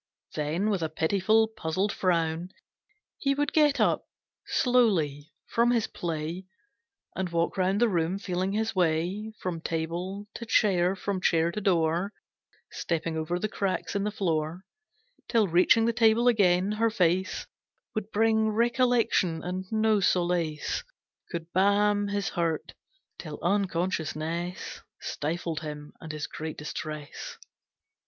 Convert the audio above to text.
Then, with a pitiful, puzzled frown, He would get up slowly from his play And walk round the room, feeling his way From table to chair, from chair to door, Stepping over the cracks in the floor, Till reaching the table again, her face Would bring recollection, and no solace Could balm his hurt till unconsciousness Stifled him and his great distress.